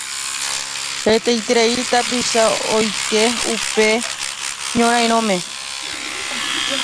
Hetaiterei tapicha oike upe ñorarirõme.